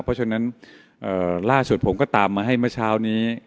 เพราะฉะนั้นล่าสุดผมก็ตามมาให้เมื่อเช้านี้